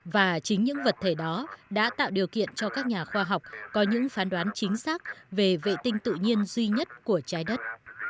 và chính những vật thể đó đã tạo điều kiện cho các nhà khoa học có những phán đoán chính xác về vệ tinh tự nhiên duy nhất của trái đất